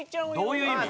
どういう意味？